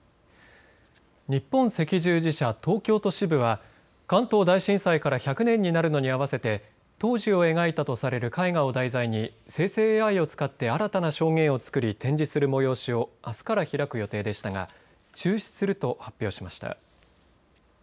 日本赤十字社東京都支部は関東大震災から１００年になるのに合わせて当時を描いたとされる絵画を題材に生成ＡＩを使って新たな証言をつくり展示する催しをあすから開く予定でしたが中止すると発表しました。